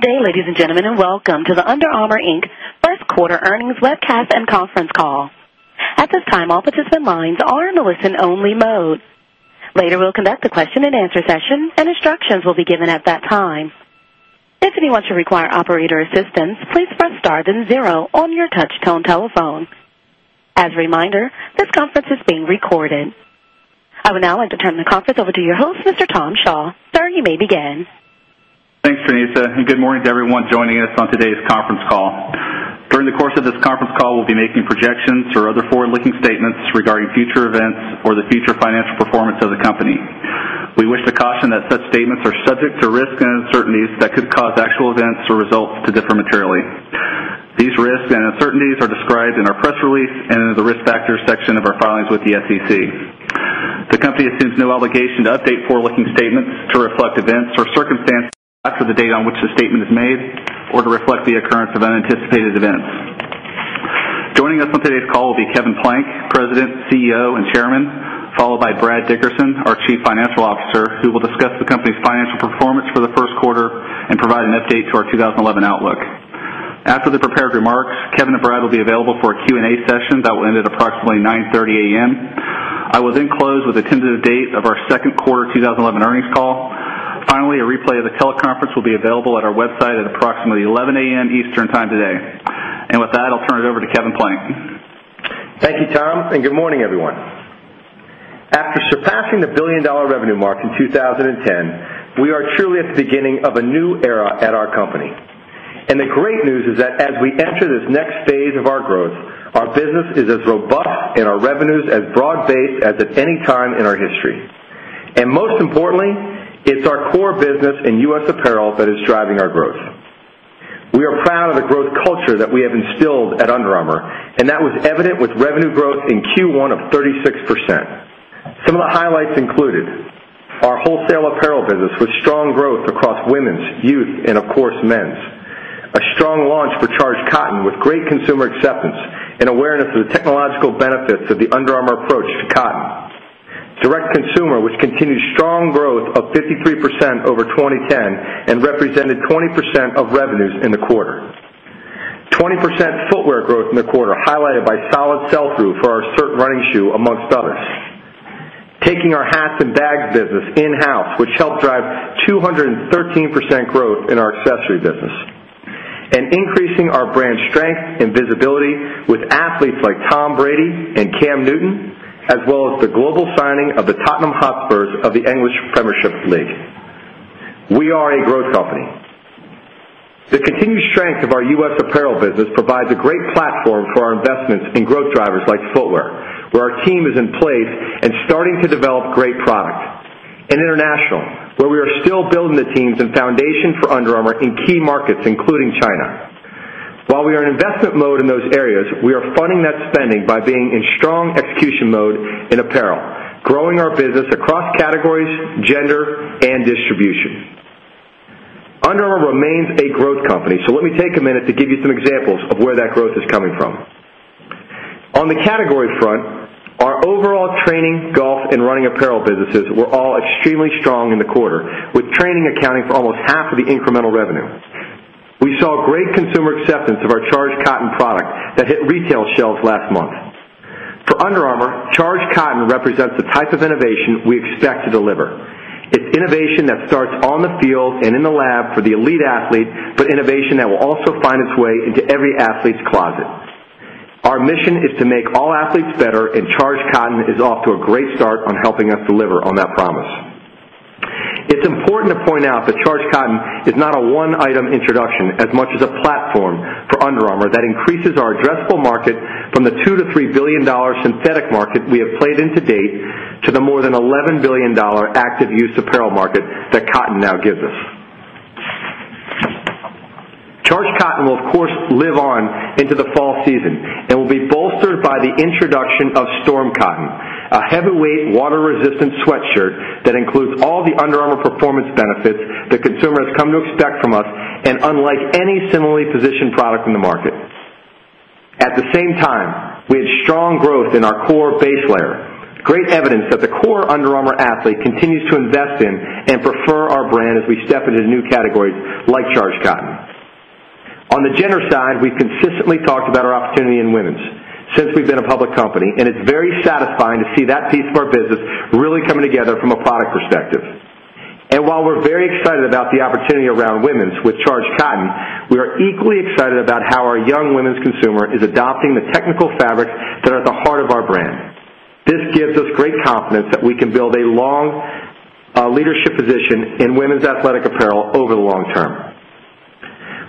Good day, ladies and gentlemen, and welcome to the Under Armour, Inc. First Quarter Earnings Webcast and Conference Call. At this time, all participant lines are in the listen-only mode. Later, we'll conduct a question and answer session, and instructions will be given at that time. If anyone should require operator assistance, please press star then zero on your touch-tone telephone. As a reminder, this conference is being recorded. I will now entertain the conference over to your host, Mr. Tom Shaw. Sir, you may begin. Thanks, Tanisa, and good morning to everyone joining us on today's conference call. During the course of this conference call, we'll be making projections or other forward-looking statements regarding future events or the future financial performance of the company. We wish to caution that such statements are subject to risks and uncertainties that could cause actual events or results to differ materially. These risks and uncertainties are described in our press release and in the risk factors section of our filings with the SEC. The company assumes no obligation to update forward-looking statements to reflect events or circumstances after the date on which the statement is made or to reflect the occurrence of unanticipated events. Joining us on today's call will be Kevin Plank, President, CEO, and Chairman, followed by Brad Dickerson, our Chief Financial Officer, who will discuss the company's financial performance for the first quarter and provide an update to our 2011 outlook. After the prepared remarks, Kevin and Brad will be available for a Q&A session that will end at approximately 9:30 A.M. I will then close with a tentative date of our second quarter 2011 earnings call. Finally, a replay of the teleconference will be available at our website at approximately 11:00 A.M. Eastern Time today. With that, I'll turn it over to Kevin Plank. Thank you, Tom, and good morning, everyone. After surpassing the billion-dollar revenue mark in 2010, we are truly at the beginning of a new era at our company. The great news is that as we enter this next phase of our growth, our business is as robust and our revenues as broad-based as at any time in our history. Most importantly, it's our core business in U.S. Apparel that is driving our growth. We are proud of the growth culture that we have instilled at Under Armour, and that was evident with revenue growth in Q1 of 36%. Some of the highlights included our wholesale Apparel business with strong growth across Women's, Youth, and of course, Men's. A strong launch for Charged Cotton with great consumer acceptance and awareness of the technological benefits of the Under Armour approach to cotton. Direct-to-Consumer, which continued strong growth of 53% over 2010 and represented 20% of revenues in the quarter. 20% Footwear growth in the quarter highlighted by solid sell-through for our certain running shoe amongst others. Taking our Hats and Bags business in-house, which helped drive 213% growth in our Accessory business. Increasing our brand strength and visibility with athletes like Tom Brady and Cam Newton, as well as the global signing of the Tottenham Hotspurs of the English Premiership League. We are a growth company. The continued strength of our U.S. Apparel business provides a great platform for our investments in growth drivers like Footwear, where our team is in place and starting to develop great products. International, where we are still building the teams and foundation for Under Armour in key markets, including China. While we are in investment mode in those areas, we are funding that spending by being in strong execution mode in apparel, growing our business across categories, gender, and distribution. Under Armour remains a growth company, so let me take a minute to give you some examples of where that growth is coming from. On the category front, our overall training, golf, and running apparel businesses were all extremely strong in the quarter, with training accounting for almost 1/2 of the incremental revenue. We saw great consumer acceptance of our Charged Cotton product that hit retail shelves last month. For Under Armour, Charged Cotton represents the type of innovation we expect to deliver. It's innovation that starts on the field and in the lab for the elite athlete, but innovation that will also find its way into every athlete's closet. Our mission is to make all athletes better, and Charged Cotton is off to a great start on helping us deliver on that promise. It's important to point out that Charged Cotton is not a one-item introduction as much as a platform for Under Armour that increases our addressable market from the $2 billion-$3 billion synthetic market we have played in to date to the more than $11 billion active use apparel market that cotton now gives us. Charged Cotton will, of course, live on into the fall season and will be bolstered by the introduction of Storm Cotton, a heavyweight, water-resistant sweatshirt that includes all the Under Armour performance benefits that consumers come to expect from us, and unlike any similarly positioned product in the market. At the same time, we had strong growth in our core base layer, great evidence that the core Under Armour athlete continues to invest in and prefer our brand as we step into new categories like Charged Cotton. On the gender side, we consistently talked about our opportunity in Women's since we've been a public company, and it's very satisfying to see that piece of our business really coming together from a product perspective. While we're very excited about the opportunity around Women's with Charged Cotton, we are equally excited about how our young Women's consumer is adopting the technical fabrics that are at the heart of our brand. This gives us great confidence that we can build a long leadership position in women's athletic apparel over the long term.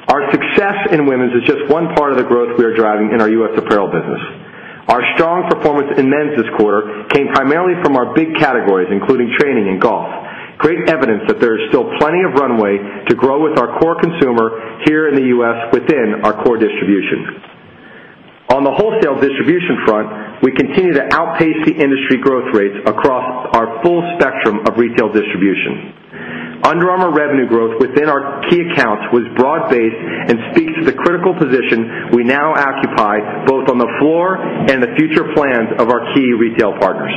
Our success in women's is just one part of the growth we are driving in our U.S. Apparel business. Our strong performance in Men's this quarter came primarily from our big categories, including training and golf, great evidence that there is still plenty of runway to grow with our core consumer here in the U.S. within our core distribution. On the wholesale distribution front, we continue to outpace the industry growth rates across our full spectrum of retail distribution. Under Armour revenue growth within our key accounts was broad-based and speaks to the critical position we now occupy both on the floor and the future plans of our key retail partners.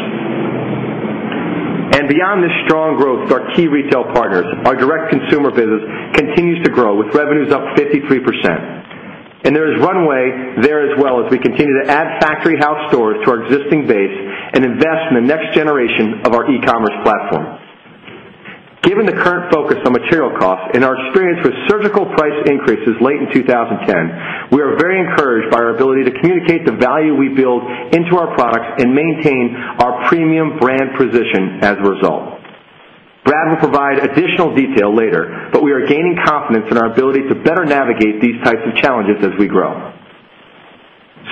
Beyond this strong growth for our key retail partner, our Direct-to-Consumer business continues to grow with revenues up 53%. There is runway there as well as we continue to add Factory House stores to our existing base and invest in the next generation of our e-commerce platform. Given the current focus on material costs and our experience with surgical price increases late in 2010, we are very encouraged by our ability to communicate the value we build into our products and maintain our premium brand position as a result. Brad will provide additional detail later, but we are gaining confidence in our ability to better navigate these types of challenges as we grow.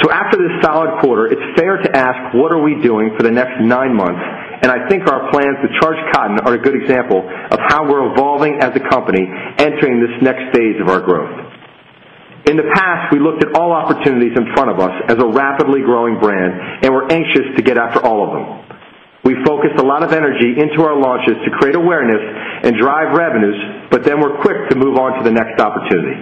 After this solid quarter, it's fair to ask, what are we doing for the next nine months? I think our plans to Charged Cotton are a good example of how we're evolving as a company entering this next stage of our growth. In the past, we looked at all opportunities in front of us as a rapidly growing brand, and we're anxious to get after all of them. We focused a lot of energy into our launches to create awareness and drive revenues, but then we're quick to move on to the next opportunity.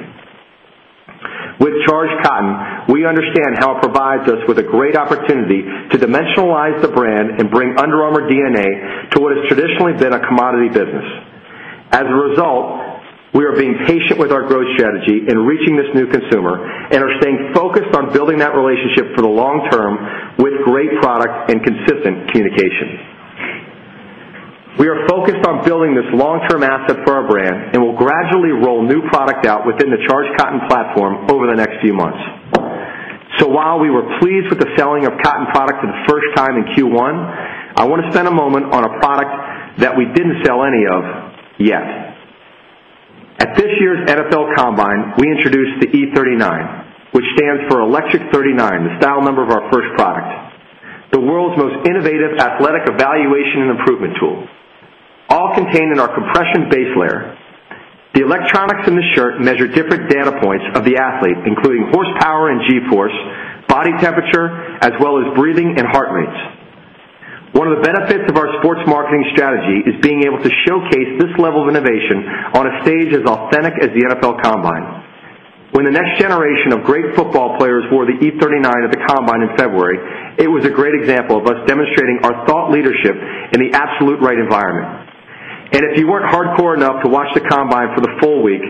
With Charged Cotton, we understand how it provides us with a great opportunity to dimensionalize the brand and bring Under Armour DNA to what has traditionally been a commodity business. As a result, we are being patient with our growth strategy in reaching this new consumer and are staying focused on building that relationship for the long term with great product and consistent communication. We are focused on building this long-term asset for our brand and will gradually roll new product out within the Charged Cotton platform over the next few months. While we were pleased with the selling of cotton product for the first time in Q1, I want to spend a moment on a product that we didn't sell any of yet. At this year's NFL Combine, we introduced the E39, which stands for Electric 39, the style number of our first product. The world's most innovative athletic evaluation and improvement tool, all contained in our compression base layer. The electronics in the shirt measure different data points of the athlete, including horsepower and G-force, body temperature, as well as breathing and heart rates. One of the benefits of our sports marketing strategy is being able to showcase this level of innovation on a stage as authentic as the NFL Combine. When the next generation of great football players wore the E39 at the Combine in February, it was a great example of us demonstrating our thought leadership in the absolute right environment. If you weren't hardcore enough to watch the Combine for the full week,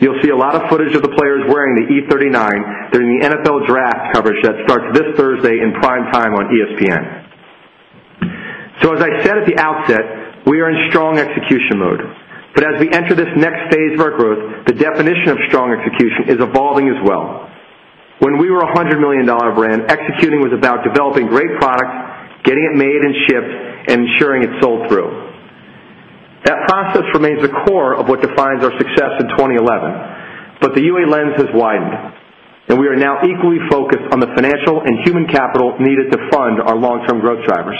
you'll see a lot of footage of the players wearing the E39 during the NFL Draft coverage that starts this Thursday in prime time on ESPN. As I said at the outset, we are in strong execution mode. As we enter this next phase of our growth, the definition of strong execution is evolving as well. When we were a $100 million brand, executing was about developing great product, getting it made and shipped, and ensuring it sold through. That process remains the core of what defines our success in 2011. The UA lens has widened, and we are now equally focused on the financial and human capital needed to fund our long-term growth drivers.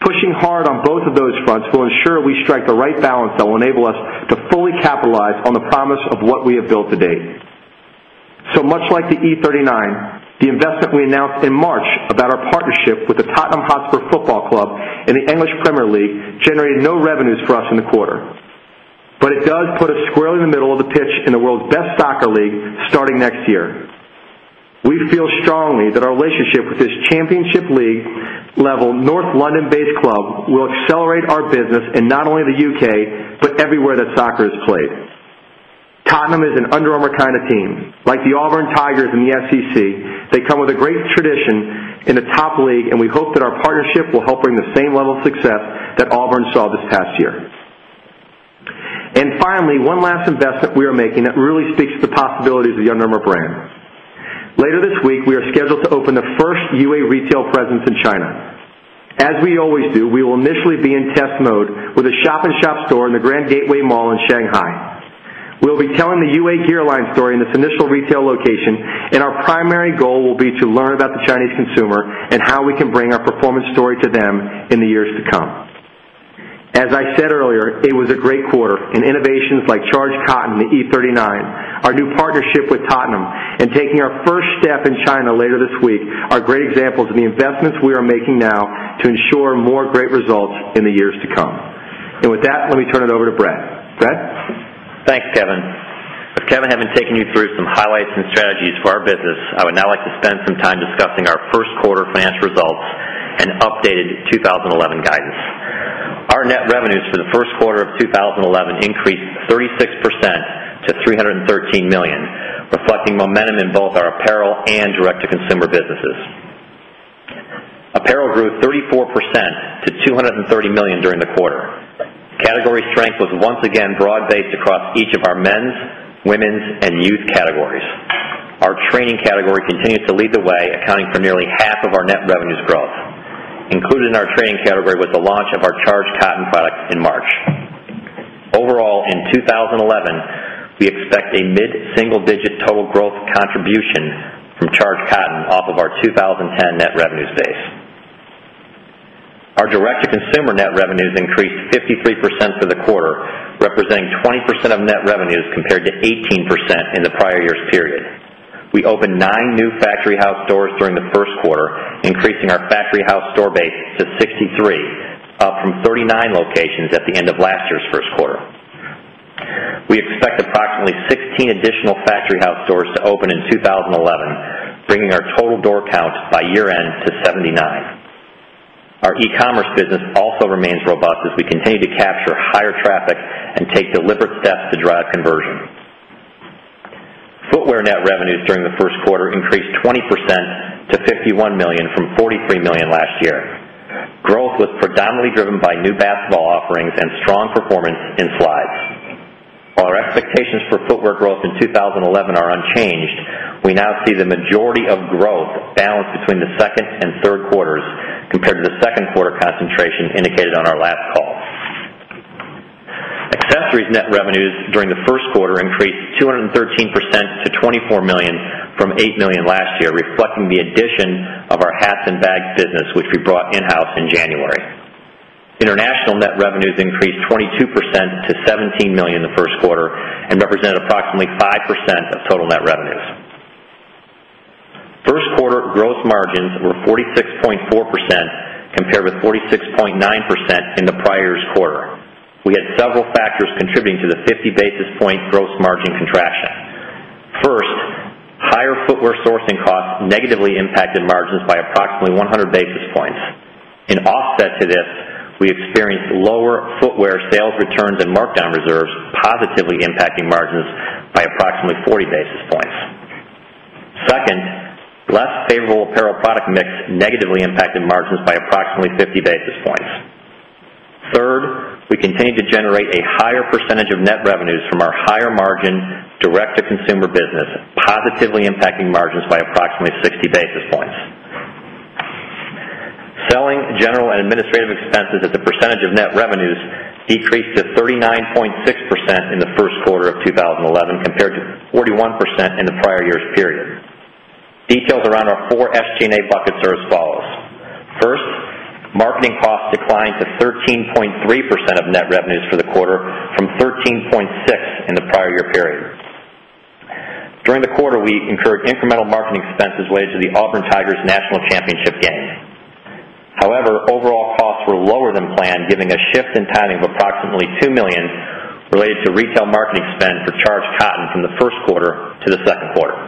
Pushing hard on both of those fronts will ensure we strike the right balance that will enable us to fully capitalize on the promise of what we have built to date. Much like the E39, the investment we announced in March about our partnership with the Tottenham Hotspur Football Club and the English Premier League generated no revenues for us in the quarter. It does put us squarely in the middle of the pitch in the world's best soccer league starting next year. We feel strongly that our relationship with this championship league level North London-based club will accelerate our business in not only the UK, but everywhere that soccer is played. Tottenham is an Under Armour kind of team. Like the Auburn Tigers and the FCC, they come with a great tradition in the top league, and we hope that our partnership will help bring the same level of success that Auburn saw this past year. Finally, one last investment we are making that really speaks to the possibilities of the Under Armour brand. Later this week, we are scheduled to open the first UA retail presence in China. As we always do, we will initially be in test mode with a shop-in-shop store in the Grand Gateway Mall in Shanghai. We'll be telling the UA Gearline story in this initial retail location, and our primary goal will be to learn about the Chinese consumer and how we can bring our performance story to them in the years to come. As I said earlier, it was a great quarter, and innovations like Charged Cotton, the E39, our new partnership with Tottenham Hotspur Football Club, and taking our first step in China later this week are great examples of the investments we are making now to ensure more great results in the years to come. With that, let me turn it over to Brad. Go ahead. Thanks, Kevin. With Kevin having taken you through some highlights and strategies for our business, I would now like to spend some time discussing our first quarter financial results and updated 2011 guidance. Our net revenues for the first quarter of 2011 increased 36% to $313 million, reflecting momentum in both our Apparel and Direct-to-Consumer businesses. Apparel grew 34% to $230 million during the quarter. Category strength was once again broad-based across each of our Men's, Women's, and Youth categories. Our Training category continues to lead the way, accounting for nearly half of our net revenues growth, included in our Training category with the launch of our Charged Cotton product in March. Overall, in 2011, we expect a mid-single-digit total growth contribution from Charged Cotton off of our 2010 net revenues base. Our Direct-to-C onsumer net revenues increased 53% for the quarter, representing 20% of net revenues compared to 18% in the prior year's period. We opened nine new Factory House stores during the first quarter, increasing our Factory House store base to 63, up from 39 locations at the end of last year's first quarter. We expect approximately 16 additional Factory House stores to open in 2011, bringing our total door count by year-end to 79. Our e-commerce business also remains robust as we continue to capture higher traffic and take deliberate steps to drive conversion. Footwear net revenues during the first quarter increased 20% to $51 million from $43 million last year. Growth was predominantly driven by new basketball offerings and strong performance in slides. While our expectations for Footwear growth in 2011 are unchanged, we now see the majority of growth balanced between the second and third quarters compared to the second quarter concentration indicated on our last call. Accessories net revenues during the first quarter increased 213% to $24 million from $8 million last year, reflecting the addition of our Hats and Bags business, which we brought in-house in January. International net revenues increased 22% to $17 million in the first quarter and represented approximately 5% of total net revenues. First quarter gross margins were 46.4% compared with 46.9% in the prior year's quarter. We had several factors contributing to the 50 basis point gross margin contraction. First, higher Footwear sourcing costs negatively impacted margins by approximately 100 basis points. In offset to this, we experienced lower Footwear sales returns and markdown reserves positively impacting margins by approximately 40 basis points. Second, less favorable apparel product mix negatively impacted margins by approximately 50 basis points. Third, we continue to generate a higher percentage of net revenues from our higher margin Direct-to-Consumer business, positively impacting margins by approximately 60 basis points. Selling, general, and administrative expenses as a percentage of net revenues decreased to 39.6% in the first quarter of 2011 compared to 41% in the prior year's period. Details around our four SG&A buckets are as follows. First, marketing cost declined to 13.3% of net revenues for the quarter from 13.6% in the prior year period. During the quarter, we incurred incremental marketing expenses related to the Auburn Tigers National Championship game. However, overall costs were lower than planned, given a shift in timing of approximately $2 million related to retail marketing spend for Charged Cotton from the first quarter to the second quarter.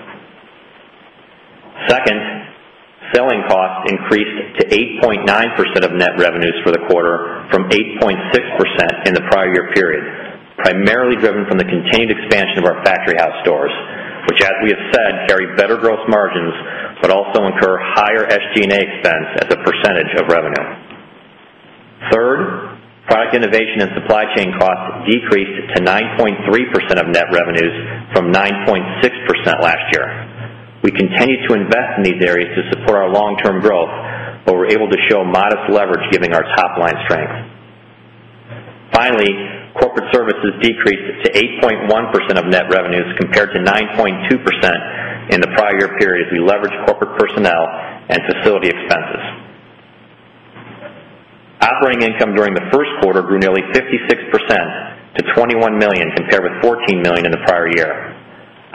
Second, selling costs increased to 8.9% of net revenues for the quarter from 8.6% in the prior year period, primarily driven from the continued expansion of our factory house stores, which, as we have said, carry better gross margins but also incur higher SG&A expense as a percentage of revenue. Third, product innovation and supply chain costs decreased to 9.3% of net revenues from 9.6% last year. We continue to invest in these areas to support our long-term growth, but we're able to show modest leverage, given our top-line strength. Finally, corporate services decreased to 8.1% of net revenues compared to 9.2% in the prior year period due to leverage of corporate personnel and facility expenses. Operating income during the first quarter grew nearly 56% to $21 million compared with $14 million in the prior year.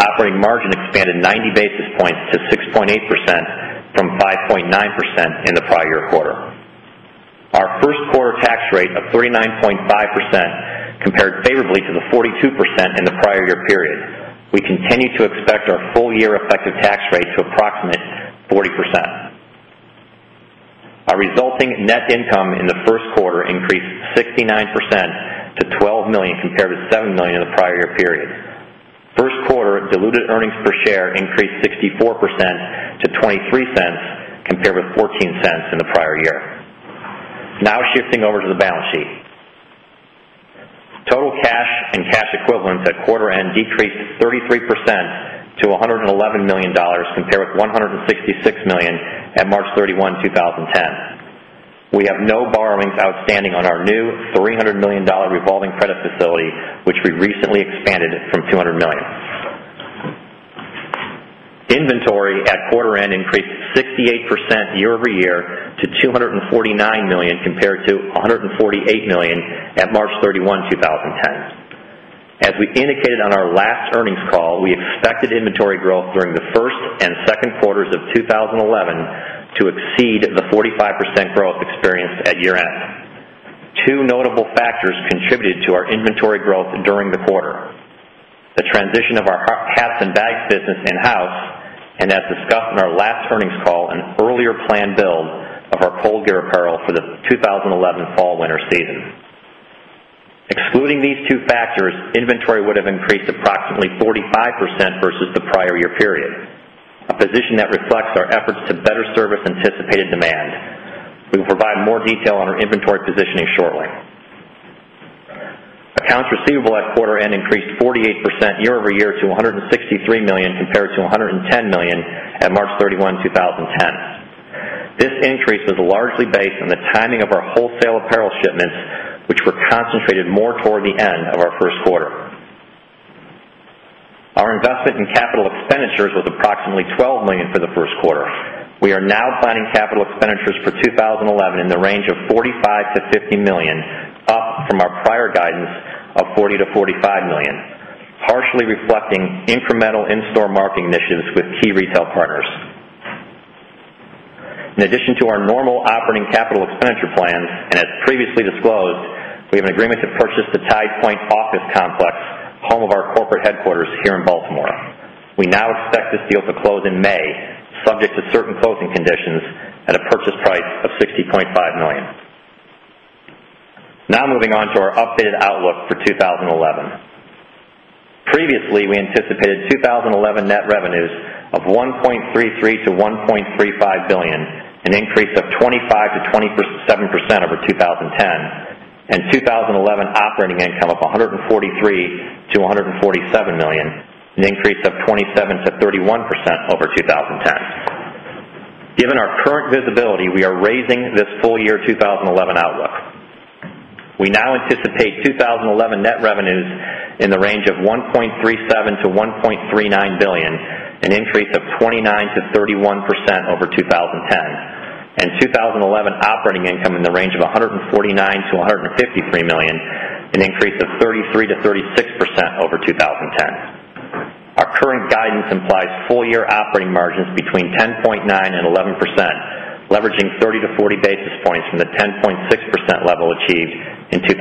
Operating margins expanded 90 basis points to 6.8% from 5.9% in the prior year quarter. Our first quarter tax rate of 39.5% compared favorably to the 42% in the prior year period. We continue to expect our full-year effective tax rate to approximate 40%. Our resulting net income in the first quarter increased 69% to $12 million compared with $7 million in the prior year period. First quarter diluted earnings per share increased 64% to $0.23 compared with $0.14 in the prior year. Now shifting over to the balance sheet. Total cash and cash equivalents at quarter end decreased 33% to $111 million compared with $166 million at March 31, 2010. We have no borrowings outstanding on our new $300 million revolving credit facility, which we recently expanded from $200 million. Inventory at quarter end increased 68% year over year to $249 million compared to $148 million at March 31, 2010. As we indicated on our last earnings call, we expected inventory growth during the first and second quarters of 2011 to exceed the 45% growth experienced at year end. Two notable factors contributed to our inventory growth during the quarter: the transition of our Hats and Bags business in-house and, as discussed in our last earnings call, an earlier planned build of our Cold Gear apparel for the 2011 fall-winter season. Excluding these two factors, inventory would have increased approximately 45% versus the prior year period, a position that reflects our efforts to better service anticipated demand. We will provide more detail on our inventory positioning shortly. Accounts receivable at quarter end increased 48% year over year to $163 million compared to $110 million at March 31, 2010. This increase was largely based on the timing of our wholesale apparel shipments, which were concentrated more toward the end of our first quarter. Our investment in capital expenditures was approximately $12 million for the first quarter. We are now planning capital expenditures for 2011 in the range of $45 million-$50 million, up from our prior guidance of $40 million-$45 million, partially reflecting incremental in-store marketing initiatives with key retail partners. In addition to our normal operating capital expenditure plans, and as previously disclosed, we have an agreement to purchase the Tide Point office complex, home of our corporate headquarters here in Baltimore. We now expect this deal to close in May, subject to certain closing conditions, at a purchase price of $60.5 million. Now moving on to our updated outlook for 2011. Previously, we anticipated 2011 net revenues of $1.33 billion-$1.35 billion, an increase of 25%-27% over 2010, and 2011 operating income of $143 million-$147 million, an increase of 27%-31% over 2010. Given our current visibility, we are raising this full-year 2011 outlook. We now anticipate 2011 net revenues in the range of $1.37 billion-$1.39 billion, an increase of 29%-31% over 2010, and 2011 operating income in the range of $149 million-$153 million, an increase of 33%-36% over 2010. Our current guidance implies full-year operating margins between 10.9%-11%, leveraging 30 basis points-40 basis points from the 10.6% level achieved in 2010.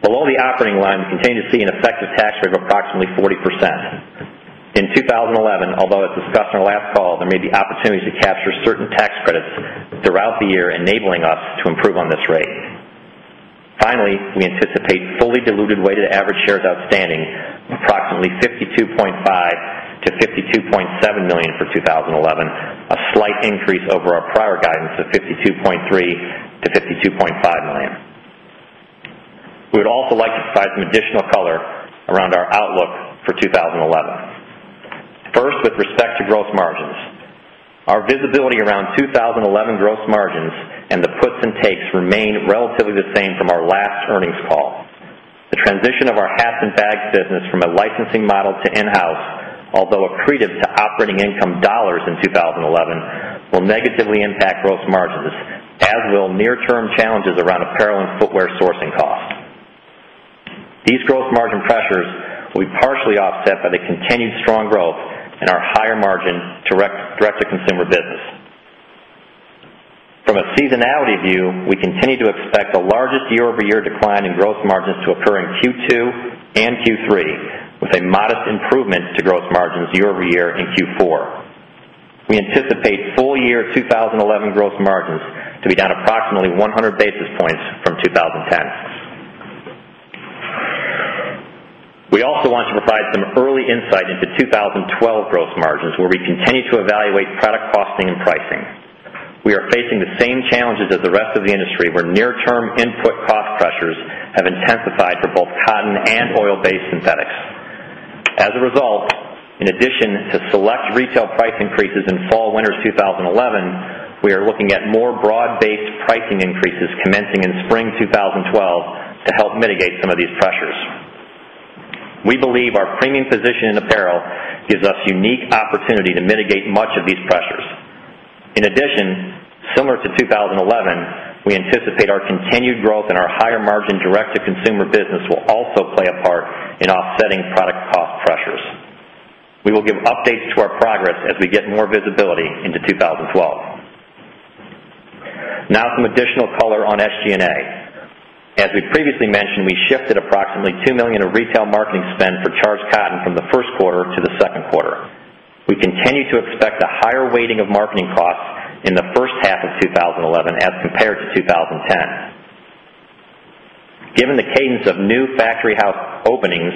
Below the operating line, we continue to see an effective tax rate of approximately 40%. In 2011, although as discussed in our last call, there may be opportunities to capture certain tax credits throughout the year, enabling us to improve on this rate. Finally, we anticipate fully diluted weighted average shares outstanding of approximately $52.5 million-$52.7 million for 2011, a slight increase over our prior guidance of $52.3 million-$52.5 million. We would also like to provide some additional color around our outlook for 2011. First, with respect to gross margins, our visibility around 2011 gross margins and the puts and takes remain relatively the same from our last earnings call. The transition of our Hats and Bags business from a licensing model to in-house, although accretive to operating income dollars in 2011, will negatively impact gross margins, as will near-term challenges around Apparel and Footwear sourcing costs. These gross margin pressures will be partially offset by the continued strong growth in our higher margin, Direct-to-Consumer business. From a seasonality view, we continue to expect the largest year-over-year decline in gross margins to occur in Q2 and Q3, with a modest improvement to gross margins year over year in Q4. We anticipate full-year 2011 gross margins to be down approximately 100 basis points from 2010. We also want to provide some early insight into 2012 gross margins, where we continue to evaluate product costing and pricing. We are facing the same challenges as the rest of the industry, where near-term input cost pressures have intensified for both cotton and Oil-Based Synthetics. As a result, in addition to select retail price increases in fall-winter 2011, we are looking at more broad-based pricing increases commencing in spring 2012 to help mitigate some of these pressures. We believe our premium position in Apparel gives us a unique opportunity to mitigate much of these pressures. In addition, similar to 2011, we anticipate our continued growth in our higher margin Direct-to-Consumer business will also play a part in offsetting product cost pressures. We will give updates to our progress as we get more visibility into 2012. Now, some additional color on SG&A. As we previously mentioned, we shifted approximately $2 million of retail marketing spend for Charged Cotton from the first quarter to the second quarter. We continue to expect a higher weighting of marketing costs in the first half of 2011 as compared to 2010. Given the cadence of new Factory House openings,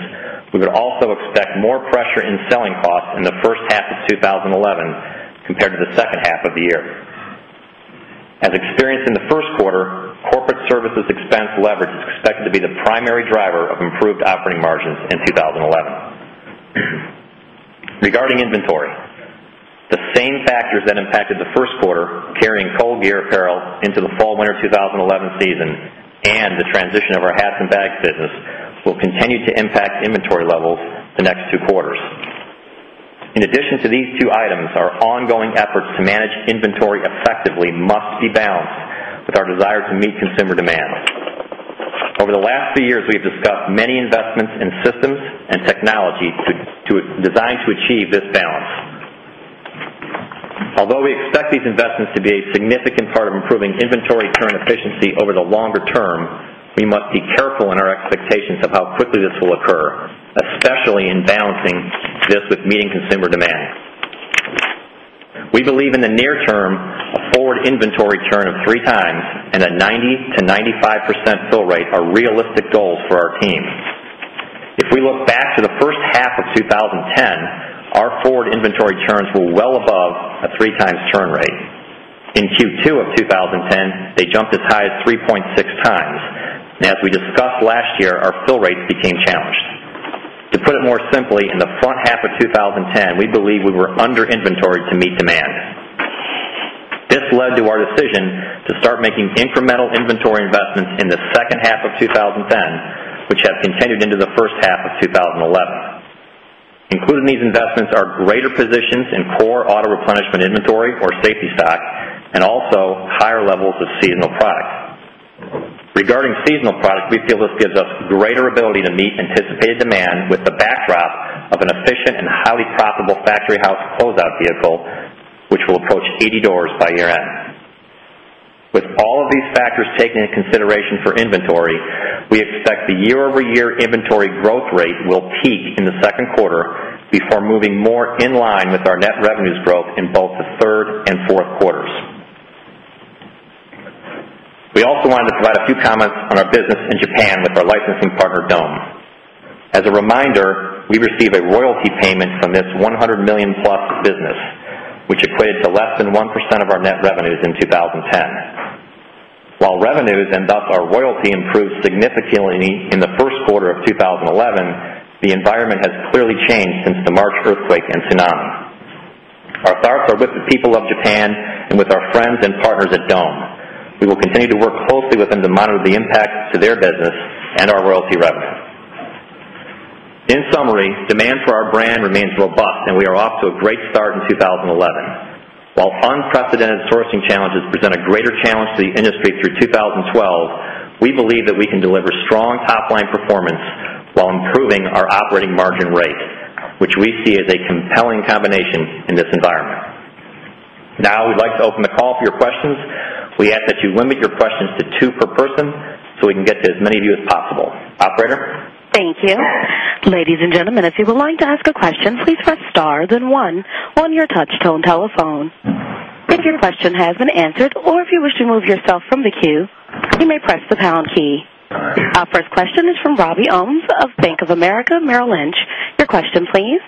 we would also expect more pressure in selling costs in the first half of 2011 compared to the second half of the year. As experienced in the first quarter, corporate services expense leverage is expected to be the primary driver of improved operating margins in 2011. Regarding inventory, the same factors that impacted the first quarter, carrying Cold Gear apparel into the fall-winter 2011 season and the transition of our Hats and Bags business, will continue to impact inventory levels the next two quarters. In addition to these two items, our ongoing efforts to manage inventory effectively must be balanced with our desire to meet consumer demand. Over the last few years, we have discussed many investments in systems and technology designed to achieve this balance. Although we expect these investments to be a significant part of improving inventory churn efficiency over the longer term, we must be careful in our expectations of how quickly this will occur, especially in balancing this with meeting consumer demand. We believe in the near term, a forward inventory churn of 3x and a 90%-95% fill rate are realistic goals for our team. If we look back to the first half of 2010, our forward inventory churns were well above a 3x churn rate. In Q2 of 2010, they jumped as high as 3.6x. As we discussed last year, our fill rates became challenged. To put it more simply, in the front half of 2010, we believe we were under inventory to meet demand. This led to our decision to start making incremental inventory investments in the second half of 2010, which have continued into the first half of 2011. Included in these investments are greater positions in core auto replenishment inventory or safety stock and also higher levels of seasonal product. Regarding seasonal product, we feel this gives us greater ability to meet anticipated demand with the backdrop of an efficient and highly profitable Factory House closeout vehicle, which will post 80 doors by year end. With all of these factors taken into consideration for inventory, we expect the year-over-year inventory growth rate will peak in the second quarter before moving more in line with our net revenues growth in both the third and fourth quarters. We also wanted to provide a few comments on our business in Japan with our licensing partner, Dome. As a reminder, we receive a royalty payment from this $100 million plus business, which equated to less than 1% of our net revenues in 2010. While revenues and thus our royalty improved significantly in the first quarter of 2011, the environment has clearly changed since the March earthquake and tsunami. Our thoughts are with the people of Japan and with our friends and partners at Dome. We will continue to work closely with them to monitor the impact to their business and our royalty revenue. In summary, demand for our brand remains robust, and we are off to a great start in 2011. While unprecedented sourcing challenges present a greater challenge to the industry through 2012, we believe that we can deliver strong top-line performance while improving our operating margin rate, which we see as a compelling combination in this environment. Now, we'd like to open the call for your questions. We ask that you limit your questions to two per person so we can get to as many of you as possible. Operator. Thank you. Ladies and gentlemen, if you would like to ask a question, please press star then one on your touch-tone telephone. If your question has been answered or if you wish to remove yourself from the queue, you may press the pound key. Our first question is from Robby Ohmes of Bank of America Merrill Lynch. Your question, please.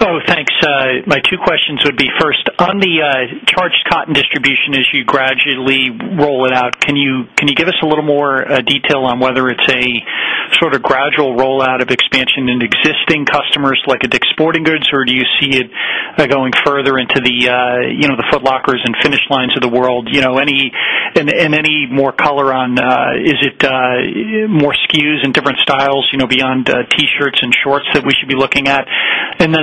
Oh, thanks. My two questions would be first on the Charged Cotton distribution as you gradually roll it out. Can you give us a little more detail on whether it's a sort of gradual rollout of expansion in existing customers like at DICK'S Sporting Goods, or do you see it going further into the, you know, the Foot Lockers and Finish Lines of the world? You know, any more color on is it more SKUs and different styles, you know, beyond T-shirts and shorts that we should be looking at?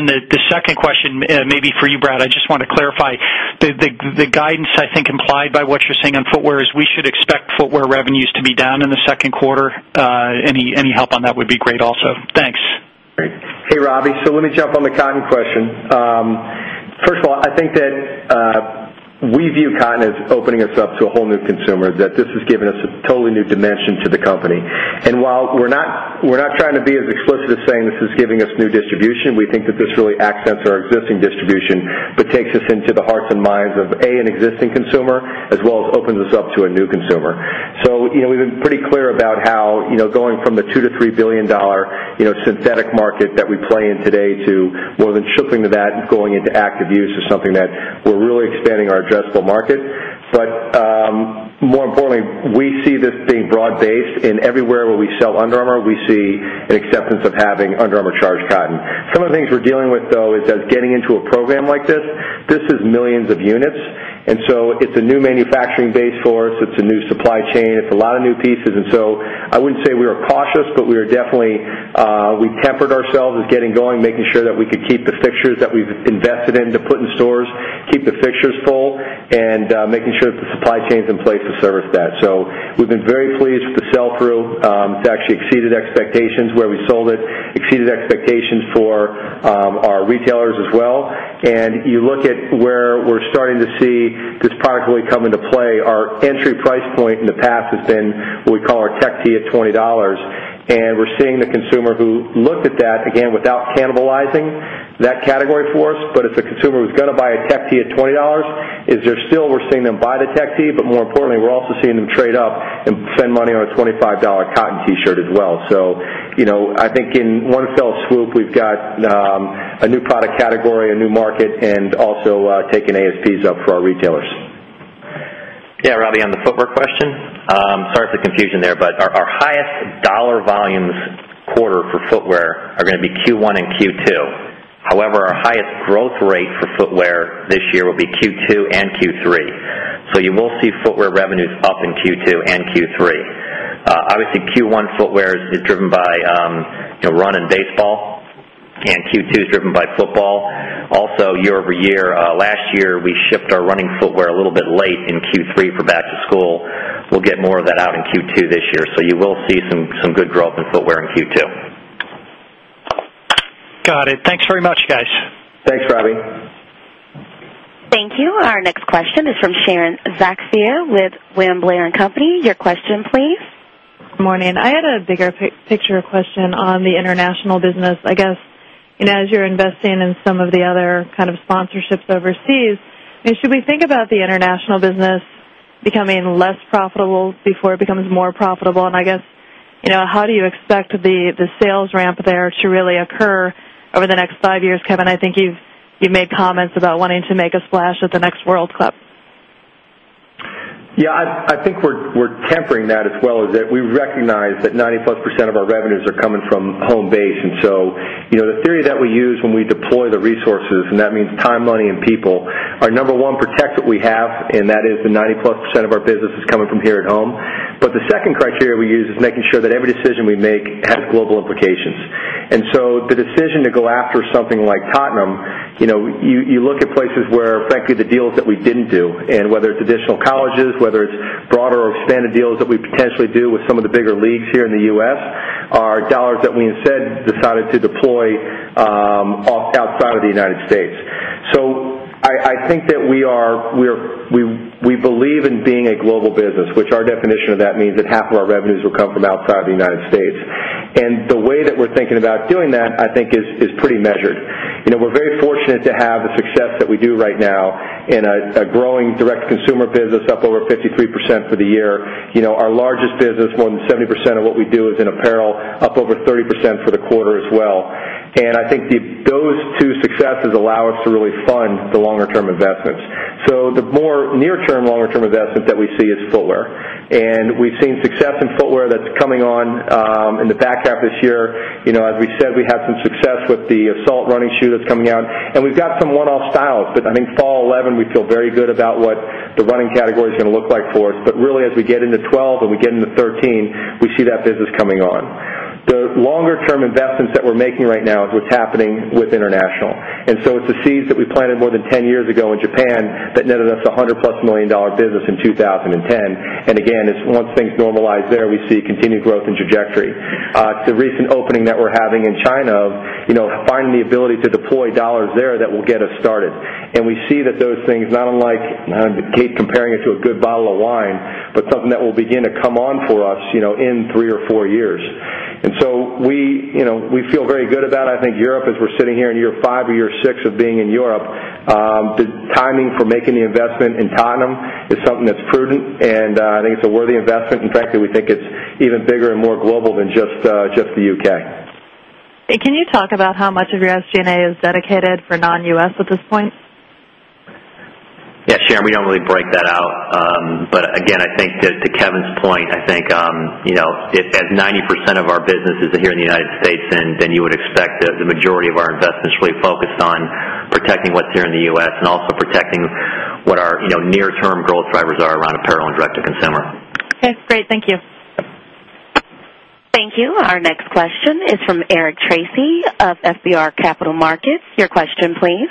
The second question may be for you, Brad. I just want to clarify that the guidance I think implied by what you're saying on Footwear is we should expect Footwear revenues to be down in the second quarter. Any help on that would be great also. Thanks. Great. Hey, Robby. Let me jump on the cotton question. First of all, I think we view cotton as opening us up to a whole new consumer, that this has given us a totally new dimension to the company. While we're not trying to be as explicit as saying this is giving us new distribution, we think that this really accents our existing distribution but takes us into the hearts and minds of, A, an existing consumer, as well as opens us up to a new consumer. We've been pretty clear about how going from the $2 billion-$3 billion synthetic market that we play in today to more than shuffling to that and going into active use is something that we're really expanding our addressable market. More importantly, we see this being broad-based and everywhere where we sell Under Armour, we see an acceptance of having Under Armour Charged Cotton. Some of the things we're dealing with, though, is as getting into a program like this, this is millions of units. It's a new manufacturing base for us. It's a new supply chain. It's a lot of new pieces. I wouldn't say we were cautious, but we are definitely, we tempered ourselves as getting going, making sure that we could keep the fixtures that we've invested in to put in stores, keep the fixtures full, and making sure that the supply chain is in place to service that. We've been very pleased with the sell-through. It's actually exceeded expectations where we sold it, exceeded expectations for our retailers as well. You look at where we're starting to see this product really come into play. Our entry price point in the past has been what we call our tech tee at $20. We're seeing the consumer who looked at that, again, without cannibalizing that category for us, but it's a consumer who's going to buy a tech tee at $20. They're still, we're seeing them buy the tech tee, but more importantly, we're also seeing them trade up and spend money on a $25 cotton T-shirt as well. I think in one fell swoop, we've got a new product category, a new market, and also taken ASPs up for our retailers. Yeah, Robby, on the Footwear question, sorry for the confusion there, but our highest dollar volumes quarter for Footwear are going to be Q1 and Q2. However, our highest growth rate for Footwear this year will be Q2 and Q3. You will see Footwear revenues up in Q2 and Q3. Obviously, Q1 Footwear is driven by run and baseball, and Q2 is driven by football. Also, year-over-year, last year we shipped our running Footwear a little bit late in Q3 for back to school. We'll get more of that out in Q2 this year. You will see some good growth in Footwear in Q2. Got it. Thanks very much, guys. Thanks, Robby. Thank you. Our next question is from Sharon Zackfia with William Blair & Company. Your question, please. Morning. I had a bigger picture question on the International business. I guess, as you're investing in some of the other kind of sponsorships overseas, should we think about the International business becoming less profitable before it becomes more profitable? I guess, how do you expect the sales ramp there to really occur over the next five years, Kevin? I think you've made comments about wanting to make a splash at the next World Cup. Yeah, I think we're tampering that as well as that we recognize that 90+% of our revenues are coming from home base. You know, the theory that we use when we deploy the resources, and that means time, money, and people, are number one, protect what we have, and that is the 90+% of our business is coming from here at home. The second criteria we use is making sure that every decision we make has global implications. The decision to go after something like Tottenham, you look at places where, frankly, the deals that we didn't do, and whether it's additional colleges, whether it's broader or extended deals that we potentially do with some of the bigger leagues here in the U.S., are dollars that we instead decided to deploy outside of the United States. I think that we are, we believe in being a global business, which our definition of that means that half of our revenues will come from outside of the United States. The way that we're thinking about doing that, I think, is pretty measured. We're very fortunate to have the success that we do right now in a growing Direct-to-Consumer business up over 53% for the year. Our largest business, more than 70% of what we do is in Apparel, up over 30% for the quarter as well. I think those two successes allow us to really fund the longer-term investments. The more near-term longer-term investment that we see is Footwear. We've seen success in Footwear that's coming on in the back half this year. As we said, we had some success with the Assert running shoe that's coming out. We've got some one-off styles, but I think fall 2011, we feel very good about what the running category is going to look like for it. Really, as we get into 2012 and we get into 2013, we see that business coming on. The longer-term investments that we're making right now is what's happening with international. It's the seeds that we planted more than 10 years ago in Japan that netted us a $100+ million business in 2010. Again, as once things normalize there, we see continued growth in trajectory. It's a recent opening that we're having in China of, you know, finding the ability to deploy dollars there that will get us started. We see that those things, not unlike comparing it to a good bottle of wine, but something that will begin to come on for us in three-four years. We feel very good about it. I think Europe, as we're sitting here in year five or year six of being in Europe, the timing for making the investment in Tottenham is something that's prudent, and I think it's a worthy investment. In fact, we think it's even bigger and more global than just the U.K. Hey, can you talk about how much of your SG&A is dedicated for non-U.S. at this point? Yes, Sharon, we don't really break that out. Again, I think to Kevin's point, if 90% of our businesses are here in the U.S., then you would expect the majority of our investments should be focused on protecting what's here in the U.S. and also protecting what our near-term growth drivers are around apparel and Direct-to-Consumer. Okay, great. Thank you. Thank you. Our next question is from Eric Tracy of FBR Capital Markets. Your question, please.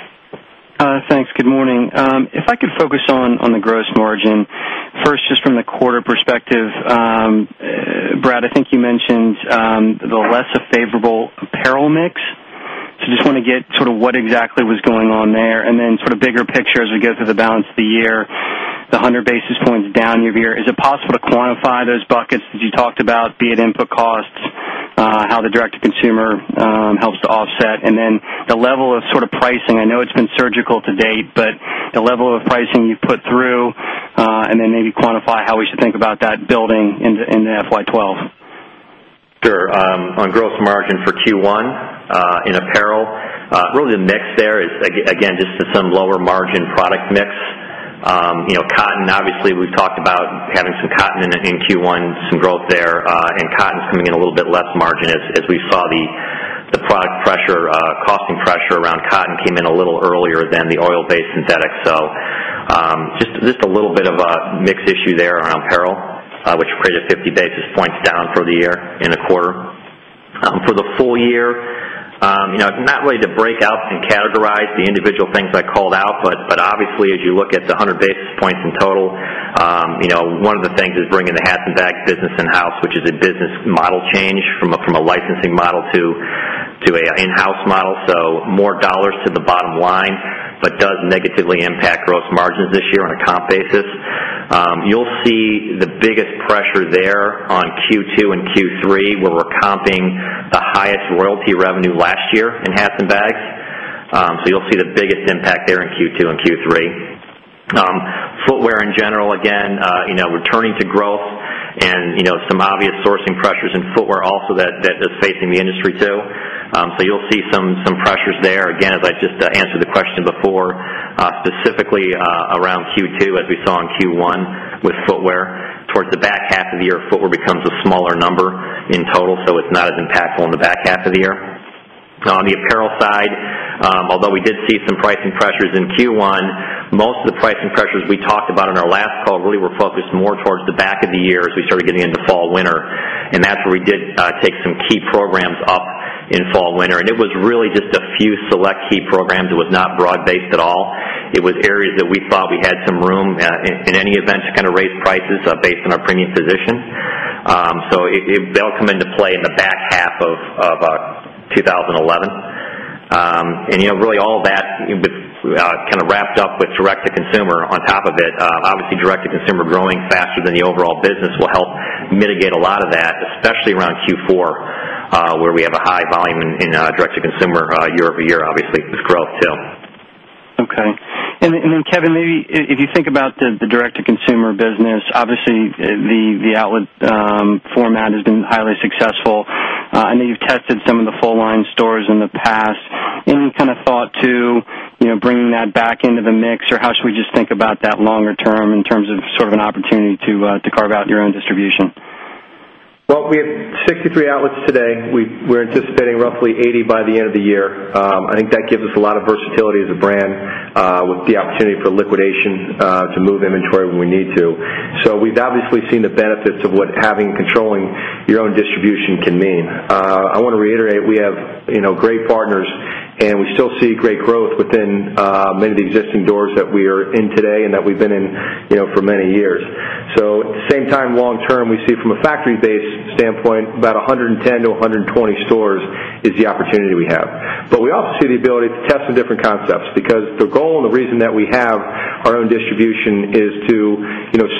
Thanks. Good morning. If I could focus on the gross margin first, just from the quarter perspective, Brad, I think you mentioned the less favorable apparel mix. I just want to get sort of what exactly was going on there. From a bigger picture as we go through the balance of the year, the 100 basis points down year-to-year, is it possible to quantify those buckets that you talked about, be it input costs, how the Direct-to-Consumer helps to offset, and then the level of pricing? I know it's been surgical to date, but the level of pricing you've put through, and maybe quantify how we should think about that building into FY2012. Sure. On gross margin for Q1 in Apparel, really the mix there is, again, just some lower margin product mix. You know, Cotton, obviously, we've talked about having some Cotton in Q1, some growth there, and Cotton's coming in a little bit less margin as we saw the product pressure, costing pressure around Cotton came in a little earlier than the Oil-Based Synthetics. Just a little bit of a mix issue there around apparel, which created 50 basis points down for the year in a quarter. For the full year, not really to break out and categorize the individual things I called out, but obviously, as you look at the 100 basis points in total, one of the things is bringing the Hats and Bags business in-house, which is a business model change from a licensing model to an in-house model. More dollars to the bottom line, but does negatively impact gross margins this year on a comp basis. You'll see the biggest pressure there on Q2 and Q3 where we're comping the highest royalty revenue last year in Hats and Bags. You'll see the biggest impact there in Q2 and Q3. Footwear in general, again, returning to growth and, you know, some obvious sourcing pressures in Footwear also that is facing the industry too. You'll see some pressures there. As I just answered the question before, specifically around Q2, as we saw in Q1 with Footwear. Towards the back half of the year, Footwear becomes a smaller number in total, so it's not as impactful in the back half of the year. On the Apparel side, although we did see some pricing pressures in Q1, most of the pricing pressures we talked about in our last call really were focused more towards the back of the year as we started getting into fall-winter. That's where we did take some key programs up in fall-winter. It was really just a few select key programs. It was not broad-based at all. It was areas that we thought we had some room in any event to kind of raise prices based on our premium position. They'll come into play in the back half of 2011. All that kind of wrapped up with Direct-to-Consumer on top of it. Obviously, Direct-to-Consumer growing faster than the overall business will help mitigate a lot of that, especially around Q4 where we have a high volume in Direct-to-Consumer year-over-year, obviously, this growth too. Okay. Kevin, maybe if you think about the Direct-to-Consumer business, obviously, the outlet format has been highly successful. I know you've tested some of the full-line stores in the past. Any kind of thought to bringing that back into the mix, or how should we just think about that longer term in terms of sort of an opportunity to carve out your own distribution? We have 63 outlets today. We're anticipating roughly 80 by the end of the year. I think that gives us a lot of versatility as a brand with the opportunity for liquidation to move inventory when we need to. We've obviously seen the benefits of what having and controlling your own distribution can mean. I want to reiterate we have great partners, and we still see great growth within many of the existing doors that we are in today and that we've been in for many years. At the same time, long term, we see from a factory-based standpoint, about 110-120 stores is the opportunity we have. We also see the ability to test some different concepts because the goal and the reason that we have our own distribution is to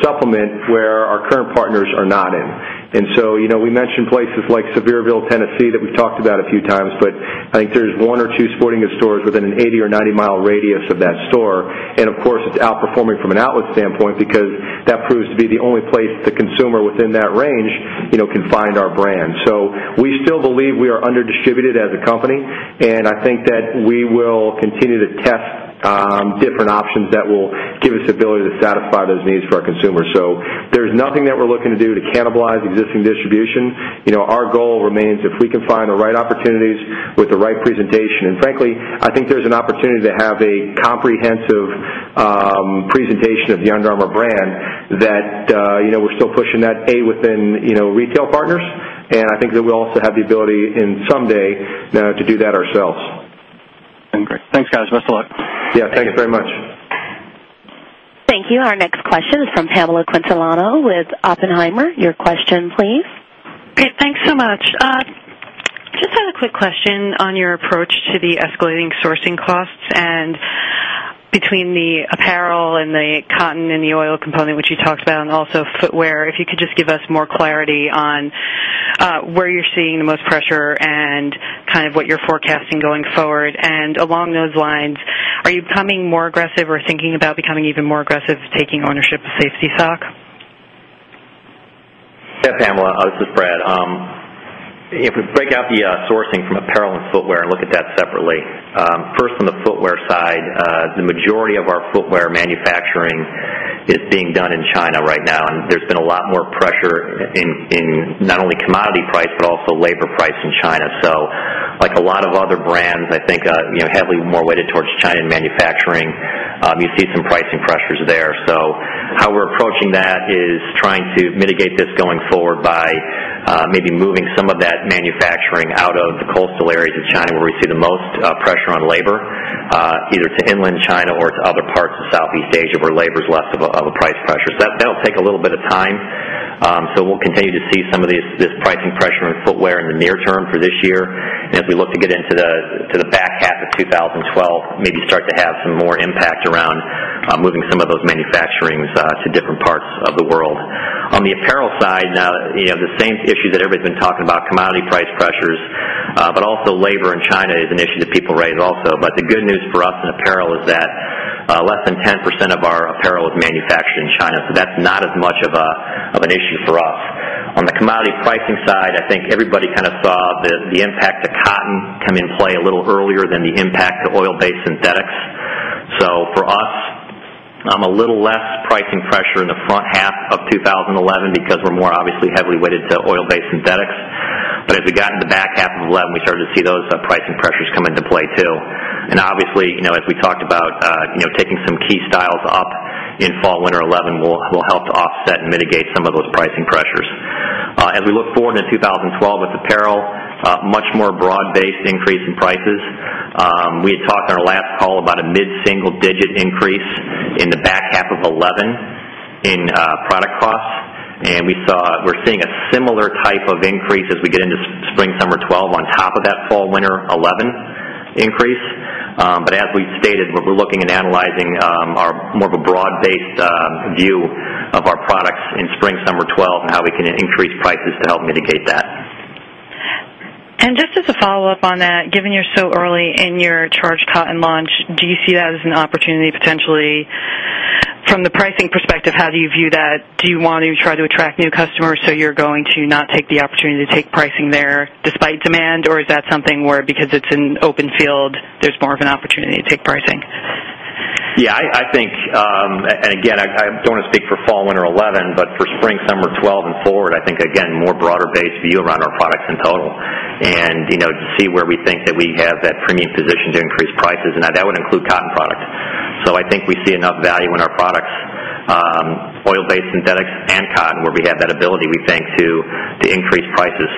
supplement where our current partners are not in. We mentioned places like Sevierville, Tennessee, that we've talked about a few times, but I think there's one or two sporting goods stores within an 80-mile-90-mile radius of that store. Of course, it's outperforming from an outlet standpoint because that proves to be the only place the consumer within that range can find our brand. We still believe we are under-distributed as a company, and I think that we will continue to test different options that will give us the ability to satisfy those needs for our consumers. There's nothing that we're looking to do to cannibalize existing distribution. Our goal remains, if we can find the right opportunities with the right presentation. Frankly, I think there's an opportunity to have a comprehensive presentation of the Under Armour brand that we're still pushing, A, within retail partners. I think that we also have the ability in someday to do that ourselves. Okay, thanks, guys. That's a lot. Thank you very much. Thank you. Our next question is from Pamela Quintiliano with Oppenheimer. Your question, please. Thanks so much. I have a quick question on your approach to the escalating sourcing costs between the Apparel and the Cotton and the Oil component, which you talked about, and also Footwear. If you could just give us more clarity on where you're seeing the most pressure and what you're forecasting going forward. Along those lines, are you becoming more aggressive or thinking about becoming even more aggressive taking ownership of safety stock? Yeah, Pamela, with Brad. If we break out the sourcing from Apparel and Footwear and look at that separately. First, on the Footwear side, the majority of our Footwear manufacturing is being done in China right now, and there's been a lot more pressure in not only commodity price, but also labor price in China. Like a lot of other brands, I think, you know, heavily more weighted towards China in manufacturing, you see some pricing pressures there. Our approach in that is trying to mitigate this going forward by maybe moving some of that manufacturing out of the coastal areas of China where we see the most pressure on labor, either to inland China or to other parts of Southeast Asia where labor is less of a price pressure. That'll take a little bit of time. We'll continue to see some of this pricing pressure on Footwear in the near term for this year. As we look to get into the back half of 2012, maybe start to have some more impact around moving some of those manufacturings to different parts of the world. On the Apparel side, now, you know, the same issues that everybody's been talking about, commodity price pressures, but also labor in China is an issue that people raise also. The good news for us in Apparel is that less than 10% of our apparel is manufactured in China. That's not as much of an issue for us. On the commodity pricing side, I think everybody kind of saw the impact of Cotton come in play a little earlier than the impact of Oil-Based Synthetics. For us, I'm a little less pricing pressure in the front half of 2011 because we're more obviously heavily weighted to Oil-Based Synthetics. As we got in the back half of 2011, we started to see those pricing pressures come into play too. Obviously, you know, as we talked about, you know, taking some key styles up in fall-winter 2011 will help to offset and mitigate some of those pricing pressures. As we look forward to 2012 with Apparel, much more broad-based increase in prices. We had talked on our last call about a mid-single-digit increase in the back half of 2011 in product costs. We thought we're seeing a similar type of increase as we get into spring/summer 2012 on top of that fall-winter 2011 increase. As we stated, we're looking at analyzing our more of a broad-based view of our products in spring/summer 2012 and how we can increase prices to help mitigate that. Just as a follow-up on that, given you're so early in your Charged Cotton launch, do you see that as an opportunity potentially from the pricing perspective? How do you view that? Do you want to try to attract new customers so you're going to not take the opportunity to take pricing there despite demand? Is that something where, because it's an open field, there's more of an opportunity to take pricing? I think, I don't want to speak for fall-winter 2011, but for spring/summer 2012 and forward, I think, again, more broader-based view around our products in total. You know, to see where we think that we have that premium position to increase prices, and that would include cotton product. I think we see enough value in our products, Oil-Based Synthetics and cotton, where we have that ability, we think, to increase prices,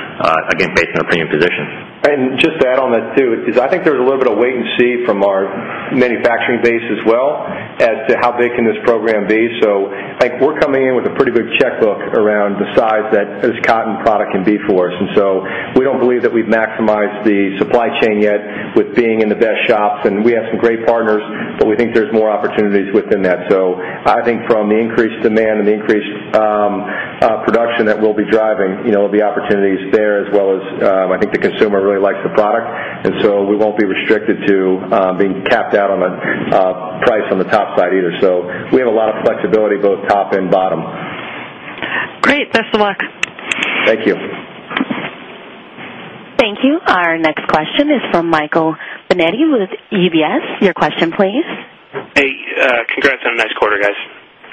again, based on a premium position. To add on that too, I think there's a little bit of wait and see from our manufacturing base as well as to how big can this program be. I think we're coming in with a pretty big checkbook around the size that this cotton product can be for. We don't believe that we've maximized the supply chain yet with being in the best shop. We have some great partners, but we think there's more opportunities within that. From the increased demand and the increased production that we'll be driving, there'll be opportunities there as well as I think the consumer really likes the product. We won't be restricted to being tapped out on the price on the top side either. We have a lot of flexibility both top and bottom. Great. Best of luck. Thank you. Thank you. Our next question is from Michael Binetti with UBS. Your question, please. Hey, congrats on a nice quarter, guys.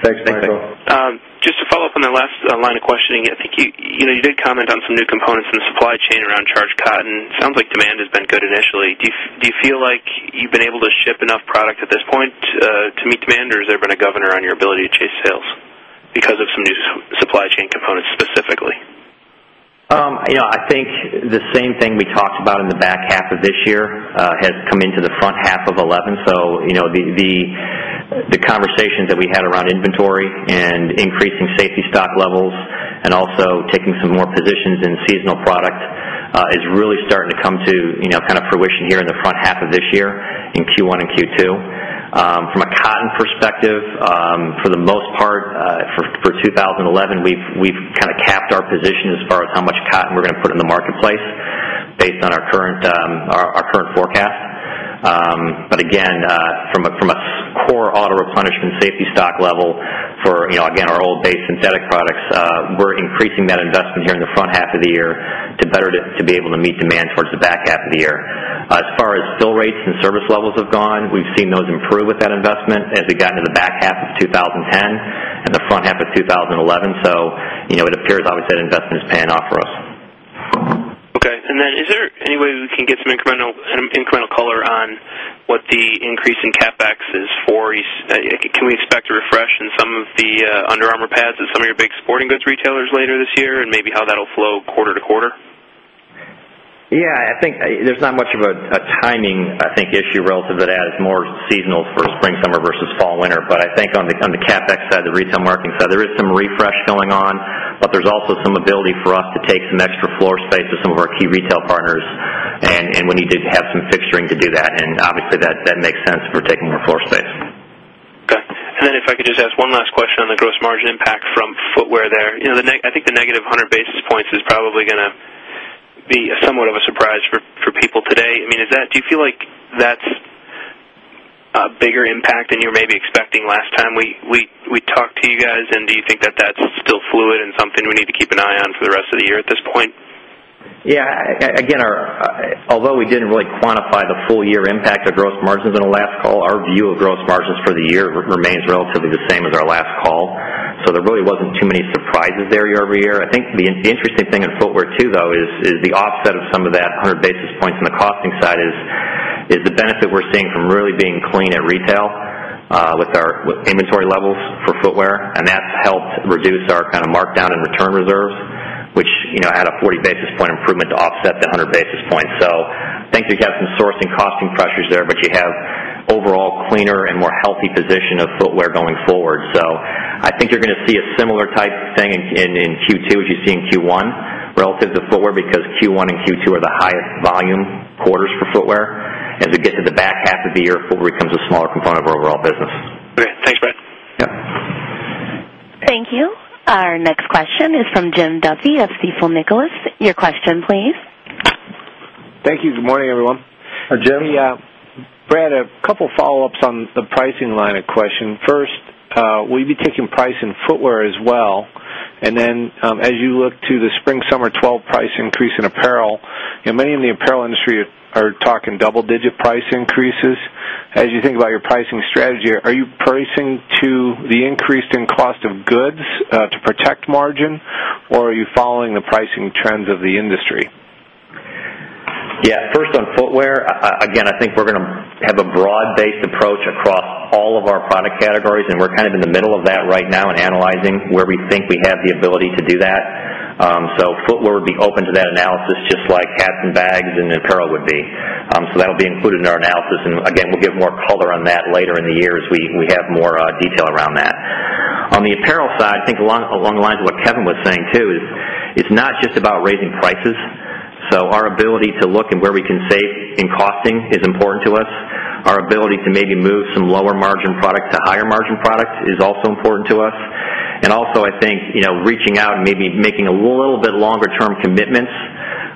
Thanks, Michael. Thanks, Michael. Just to follow up on the last line of questioning, I think you did comment on some new components in the supply chain around Charged Cotton. It sounds like demand has been good initially. Do you feel like you've been able to ship enough product at this point to meet demand, or has there been a governor on your ability to chase sales because of some new supply chain components specifically? I think the same thing we talked about in the back half of this year has come into the front half of 2011. The conversations that we had around inventory and increasing safety stock levels and also taking some more positions in seasonal products is really starting to come to fruition here in the front half of this year in Q1 and Q2. From a cotton perspective, for the most part, for 2011, we've kind of capped our position as far as how much cotton we're going to put in the marketplace based on our current forecast. Again, from a core auto replenishment safety stock level for our Oil-Based Synthetics products, we're increasing that investment here in the front half of the year to better be able to meet demand towards the back half of the year. As far as fill rates and service levels have gone, we've seen those improve with that investment as we got into the back half of 2010 and the front half of 2011. It appears obviously that investment is paying off for us. Okay. Is there any way we can get some incremental color on what the increase in CapEx is for? Can we expect a refresh in some of the Under Armour pads at some of your big sporting goods retailers later this year and maybe how that'll flow quarter to quarter? Yeah, I think there's not much of a timing issue relative to that. It's more seasonal for spring/summer versus fall-winter. I think on the CapEx side, the retail marketing side, there is some refresh going on, but there's also some ability for us to take some extra floor space to some of our key retail partners. We need to have some fixturing to do that. Obviously, that makes sense if we're taking more floor space. Okay. If I could just ask one last question on the gross margin impact from Footwear there. I think the -100 basis points is probably going to be somewhat of a surprise for people today. Do you feel like that's a bigger impact than you were maybe expecting last time we talked to you guys? Do you think that that's still fluid and something we need to keep an eye on for the rest of the year at this point? Yeah, again, although we didn't really quantify the full-year impact of gross margins in the last call, our view of gross margins for the year remains relatively the same as our last call. There really wasn't too many surprises there year over year. I think the interesting thing with Footwear too, though, is the offset of some of that 100 basis points on the costing side is the benefit we're seeing from really being clean at retail with our inventory levels for Footwear. That helped reduce our kind of markdown and return reserve, which, you know, had a 40 basis point improvement to offset the 100 basis points. I think you have some sourcing costing pressures there, but you have an overall cleaner and more healthy position of Footwear going forward. I think you're going to see a similar type thing in Q2 as you see in Q1 relative to Footwear because Q1 and Q2 are the highest volume quarters for Footwear. As we get to the back half of the year, Footwear becomes a smaller component of our overall business. Great. Thanks, Brad. Thank you. Our next question is from Jim Duffy of Stifel Nicolaus. Your question, please. Thank you. Good morning, everyone. Jim, Brad, a couple of follow-ups on the pricing line of question. First, will you be taking price in Footwear as well? As you look to the spring/summer 2012 price increase in Apparel, many in the Apparel industry are talking double-digit price increases. As you think about your pricing strategy, are you pricing to the increase in cost of goods to protect margin, or are you following the pricing trends of the industry? Yeah, first on Footwear, again, I think we're going to have a broad-based approach across all of our product categories, and we're kind of in the middle of that right now, analyzing where we think we have the ability to do that. Footwear would be open to that analysis, just like Hats and Bags and Apparel would be. That will be included in our analysis. Again, we'll get more color on that later in the year as we have more detail around that. On the apparel side, I think along the lines of what Kevin was saying too, it's not just about raising prices. Our ability to look at where we can save in costing is important to us. Our ability to maybe move some lower margin product to higher margin products is also important to us. I think, you know, reaching out and maybe making a little bit longer-term commitments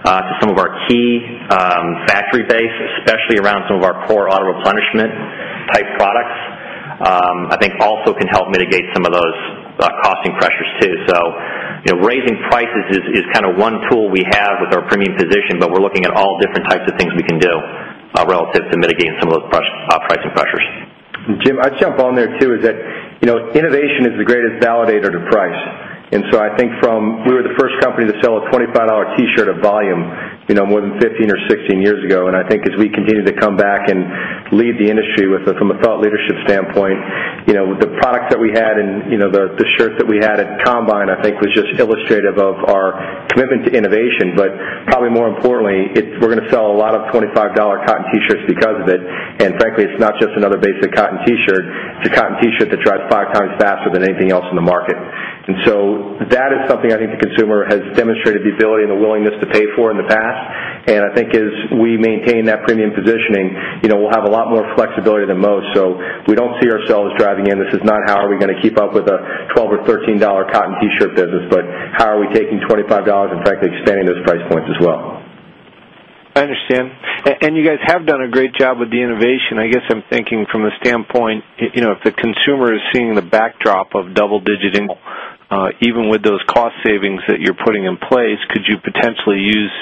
to some of our key factory-based, especially around some of our core auto replenishment type products, also can help mitigate some of those costing pressures too. Raising prices is kind of one tool we have with our premium position, but we're looking at all different types of things we can do relative to mitigating some of those pricing pressures. Jim, I'd jump on there too, you know, innovation is the greatest validator to price. I think we were the first company to sell a $25 T-shirt of volume, more than 15-16 years ago. I think as we continue to come back and lead the industry from a thought leadership standpoint, the product that we had and the shirt that we had at Combine, I think, was just illustrative of our commitment to innovation. Probably more importantly, we're going to sell a lot of $25 cotton T-shirts because of it. Frankly, it's not just another basic cotton T-shirt. It's a cotton T-shirt that dries 5x faster than anything else in the market. That is something I think the consumer has demonstrated the ability and the willingness to pay for in the past. I think as we maintain that premium positioning, we'll have a lot more flexibility than most. We don't see ourselves driving in. This is not how are we going to keep up with a $12 or $13 cotton T-shirt business, but how are we taking $25 and frankly expanding those price points as well? I understand. You guys have done a great job with the innovation. I guess I'm thinking from the standpoint, you know, if the consumer is seeing the backdrop of double-digiting, even with those cost savings that you're putting in place, could you potentially use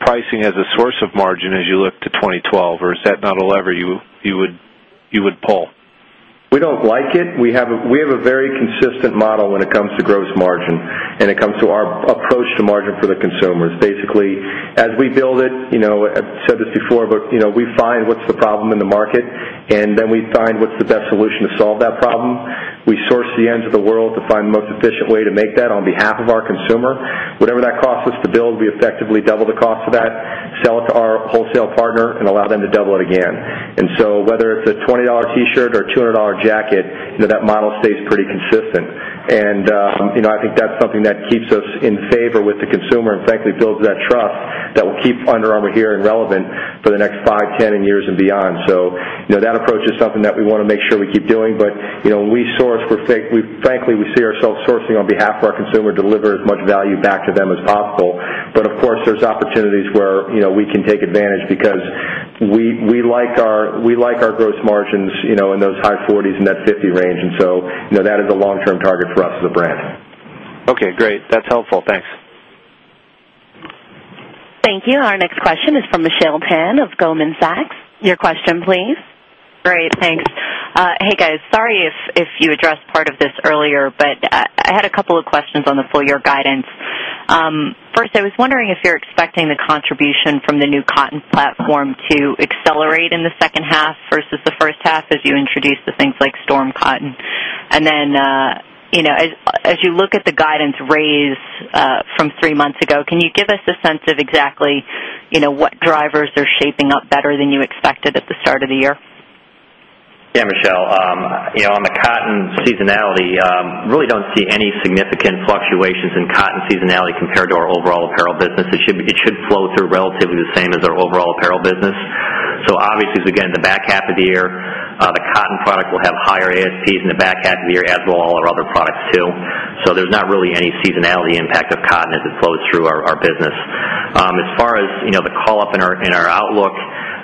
pricing as a source of margin as you look to 2012, or is that not a lever you would pull? We don't like it. We have a very consistent model when it comes to gross margin, and it comes to our approach to margin for the consumer. It's basically, as we build it, you know, I've said this before, but we find what's the problem in the market, and then we find what's the best solution to solve that problem. We source the ends of the world to find the most efficient way to make that on behalf of our consumer. Whatever that cost was to build, we effectively double the cost of that, sell it to our wholesale partner, and allow them to double it again. Whether it's a $20 T-shirt or a $200 jacket, that model stays pretty consistent. I think that's something that keeps us in favor with the consumer and frankly builds that trust that will keep Under Armour gear relevant for the next 5/10 years and beyond. That approach is something that we want to make sure we keep doing. When we source, we frankly, we see ourselves sourcing on behalf of our consumer to deliver as much value back to them as possible. Of course, there's opportunities where we can take advantage because we like our gross margins in those high 40s% and that 50% range. That is a long-term target for us as a brand. Okay, great. That's helpful. Thanks. Thank you. Our next question is from Michelle Tan of Goldman Sachs. Your question, please. Great, thanks. Hey, guys, sorry if you addressed part of this earlier, but I had a couple of questions on the full-year guidance. First, I was wondering if you're expecting the contribution from the new Cotton platform to accelerate in the second half versus the first half as you introduce things like Storm Cotton. As you look at the guidance raised from three months ago, can you give us a sense of exactly what drivers are shaping up better than you expected at the start of the year? Yeah, Michelle, you know, on the cotton seasonality, I really don't see any significant fluctuations in cotton seasonality compared to our overall Apparel business. It should flow through relatively the same as our overall Apparel business. Obviously, again, in the back half of the year, the Cotton product will have higher ASPs in the back half of the year as will all our other products too. There's not really any seasonality impact of Cotton as it flows through our business. As far as, you know, the call-up in our outlook,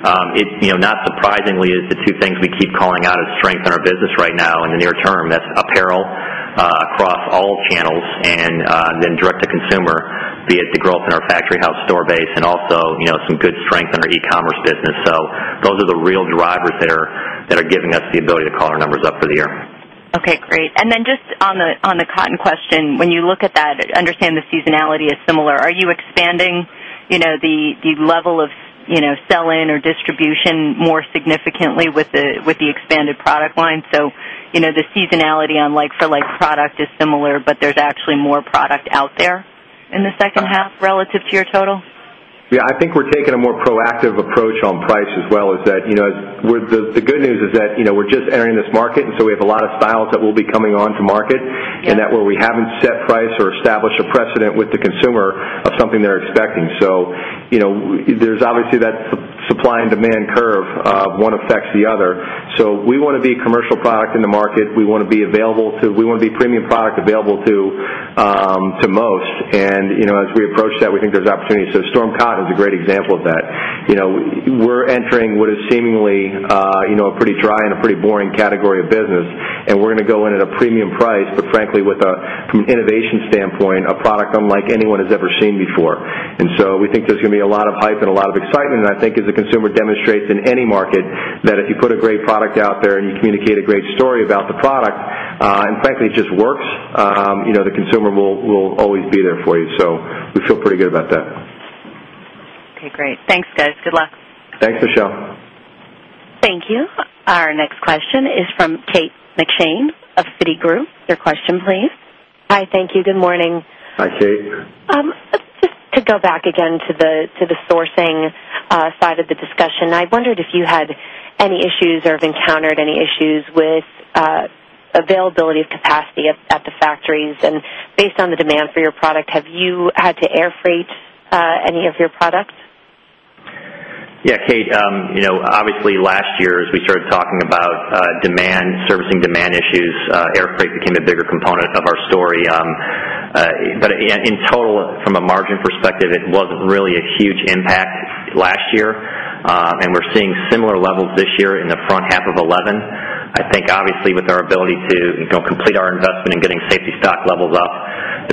not surprisingly, the two things we keep calling out as strength in our business right now in the near term, that's Apparel across all channels and then Direct-to-Consumer, be it the growth in our factory house store base and also, you know, some good strength in our e-commerce business. Those are the real drivers that are giving us the ability to call our numbers up for the year. Okay, great. On the Cotton question, when you look at that, I understand the seasonality is similar. Are you expanding the level of sell-in or distribution more significantly with the expanded product line? The seasonality on like-for-like product is similar, but there's actually more product out there in the second half relative to your total? Yeah, I think we're taking a more proactive approach on price as well. The good news is that we're just entering this market and we have a lot of styles that will be coming onto market where we haven't set price or established a precedent with the consumer of something they're expecting. There's obviously that supply and demand curve, one affects the other. We want to be a commercial product in the market. We want to be a premium product available to most. As we approach that, we think there's opportunity. Storm Cotton is a great example of that. We're entering what is seemingly a pretty dry and a pretty boring category of business. We're going to go in at a premium price, but frankly, with an innovation standpoint, a product unlike anyone has ever seen before. We think there's going to be a lot of hype and a lot of excitement. I think as the consumer demonstrates in any market that if you put a great product out there and you communicate a great story about the product and frankly just work, the consumer will always be there for you. We feel pretty good about that. Okay, great. Thanks, guys. Good luck. Thanks, Michelle. Thank you. Our next question is from Kate McShane of Citi. Your question, please. Hi, thank you. Good morning. Hi, Kate. Just to go back again to the sourcing side of the discussion, I wondered if you had any issues or have encountered any issues with availability of capacity at the factories. Based on the demand for your product, have you had to air freight any of your products? Yeah, Kate, you know, obviously last year as we started talking about demand, servicing demand issues, air freight became a bigger component of our story. In total, from a margin perspective, it wasn't really a huge impact last year. We're seeing similar levels this year in the front half of 2011. I think obviously with our ability to complete our investment in getting safety stock levels up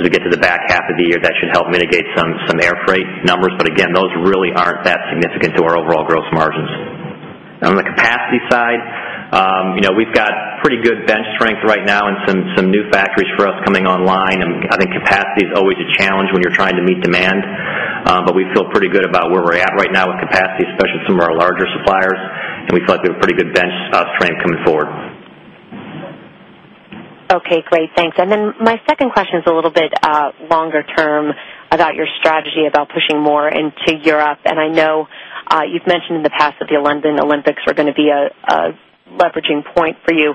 as we get to the back half of the year, that should help mitigate some air freight numbers. Those really aren't that significant to our overall gross margins. On the capacity side, we've got pretty good bench strength right now and some new factories for us coming online. I think capacity is always a challenge when you're trying to meet demand. We feel pretty good about where we're at right now with capacity, especially with some of our larger suppliers, and we feel like we have a pretty good bench strength coming forward. Okay, great. Thanks. My second question is a little bit longer term about your strategy about pushing more into Europe. I know you've mentioned in the past that the London Olympics are going to be a leveraging point for you.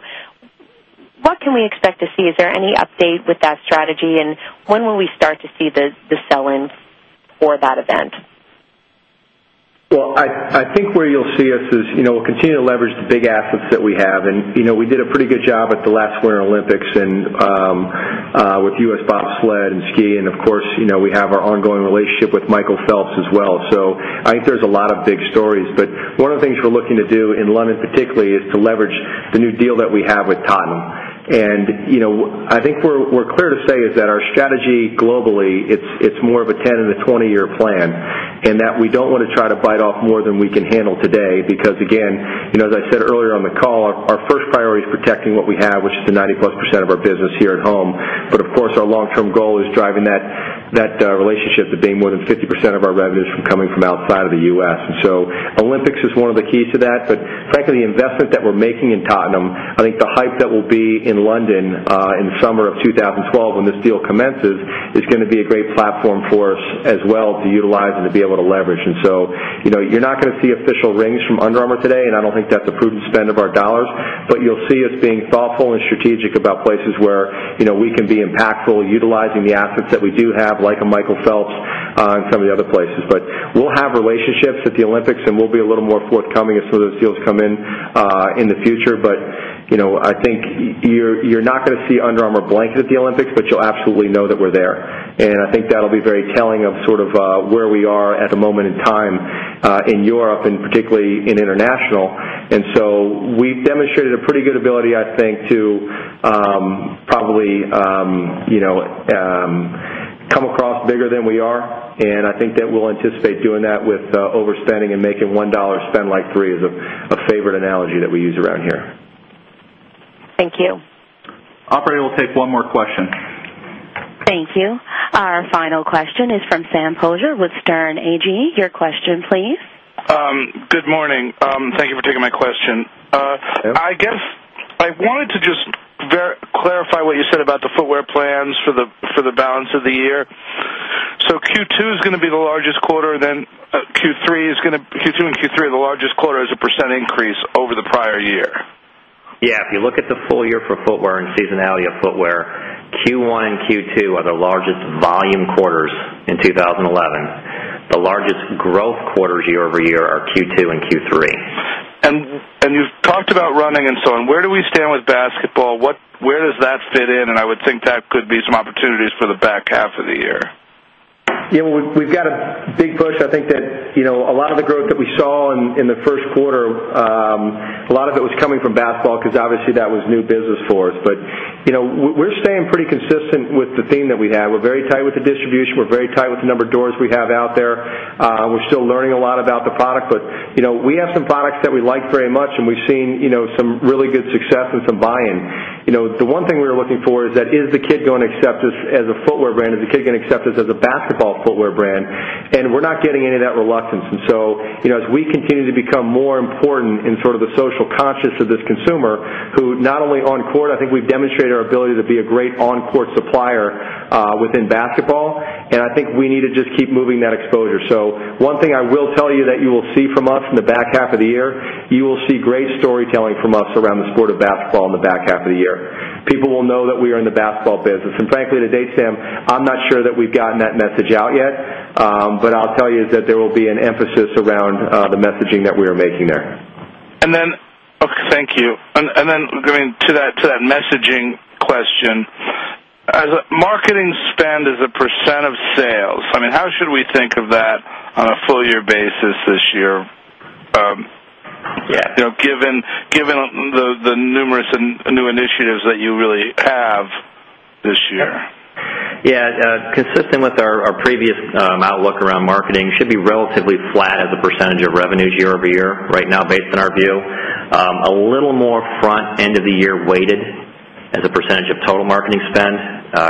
What can we expect to see? Is there any update with that strategy? When will we start to see the sell-in for that event? I think where you'll see us is, you know, we'll continue to leverage the big assets that we have. We did a pretty good job at the last Winter Olympics and with U.S. Bobsled and Ski. Of course, we have our ongoing relationship with Michael Phelps as well. I think there's a lot of big stories. One of the things we're looking to do in London particularly is to leverage the new deal that we have with Tottenham. I think we're clear to say that our strategy globally is more of a 10-20-year plan and that we don't want to try to bite off more than we can handle today because, again, as I said earlier on the call, our first priority is protecting what we have, which is the 90+% of our business here at home. Of course, our long-term goal is driving that relationship to being more than 50% of our revenues coming from outside of the U.S. Olympics is one of the keys to that. Frankly, the investment that we're making in Tottenham, I think the hype that will be in London in the summer of 2012 when this deal commences is going to be a great platform for us as well to utilize and to be able to leverage. You're not going to see official rings from Under Armour today, and I don't think that's a prudent spend of our dollars. You'll see us being thoughtful and strategic about places where we can be impactful, utilizing the assets that we do have, like a Michael Phelps and some of the other places. We'll have relationships at the Olympics, and we'll be a little more forthcoming as some of those deals come in in the future. I think you're not going to see Under Armour blanket at the Olympics, but you'll absolutely know that we're there. I think that'll be very telling of sort of where we are at the moment in time in Europe and particularly in international. We've demonstrated a pretty good ability, I think, to probably, you know, come across bigger than we are. I think that we'll anticipate doing that with overspending and making $1 spend like $3 is a favorite analogy that we use around here. Thank you. Operator will take one more question. Thank you. Our final question is from Sam Poser with Sterne Agee. Your question, please. Good morning. Thank you for taking my question. I guess I wanted to just clarify what you said about the Footwear plans for the balance of the year. Q2 is going to be the largest quarter, and then Q2 and Q3 are the largest quarters of % increase over the prior year. If you look at the full year for Footwear and seasonality of Footwear, Q1 and Q2 are the largest volume quarters in 2011. The largest growth quarters year-over-year are Q2 and Q3. You have talked about running and so on. Where do we stand with basketball? Where does that fit in? I would think that could be some opportunities for the back half of the year. Yeah, we've got a big push. I think that a lot of the growth that we saw in the first quarter, a lot of it was coming from basketball because obviously that was new business for us. We're staying pretty consistent with the theme that we have. We're very tight with the distribution. We're very tight with the number of doors we have out there. We're still learning a lot about the product. We have some products that we like very much, and we've seen some really good success and some buy-in. The one thing we were looking for is that, is the kid going to accept this as a Footwear brand? Is the kid going to accept this as a basketball Footwear brand? We're not getting any of that reluctance. As we continue to become more important in sort of the social conscious of this consumer, who not only on court, I think we've demonstrated our ability to be a great on-court supplier within basketball. I think we need to just keep moving that exposure. One thing I will tell you that you will see from us in the back half of the year, you will see great storytelling from us around the sport of basketball in the back half of the year. People will know that we are in the basketball business. Frankly, to date, Sam, I'm not sure that we've gotten that message out yet. I'll tell you that there will be an emphasis around the messaging that we are making there. Thank you. Going to that messaging question, as a marketing spend as a % of sales, how should we think of that on a full-year basis this year? Given the numerous new initiatives that you really have this year. Yeah, consistent with our previous outlook around marketing, it should be relatively flat as a % of revenues year over year right now based on our view. A little more front end of the year weighted as a % of total marketing spend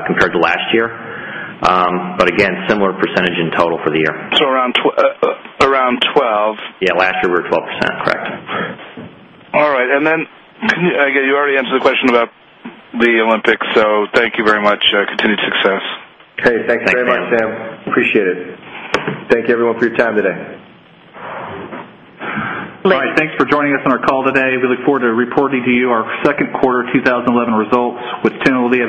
compared to last year, again, similar % in total for the year. Around 12? Yeah, last year we were at 12%, correct. All right. You already answered the question about the Olympics. Thank you very much. Continued success. Okay, thanks, Sam. Thanks, Sam. Appreciate it. Thank you, everyone, for your time today. Thanks for joining us on our call today. We look forward to reporting to you our second quarter 2011 results, which tentatively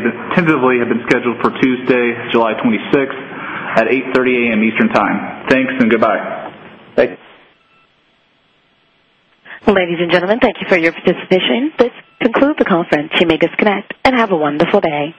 have been scheduled for Tuesday, July 26 at 8:30 A.M. Eastern Time. Thanks and goodbye. Thanks. Ladies and gentlemen, thank you for your participation. Please conclude the call soon to make us connect, and have a wonderful day.